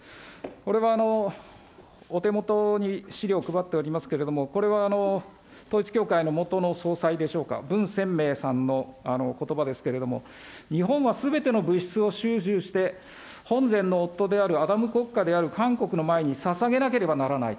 これはお手元に資料配っておりますけれども、これは、統一教会の元の総裁でしょうか、文鮮明さんのことばですけれども、日本はすべての物質を収拾して、本然の夫であるアダム国家である韓国の前にささげなければならない。